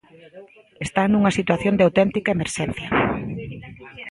Están nunha situación de auténtica emerxencia.